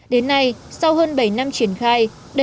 đến nay sau hơn bảy năm triển khai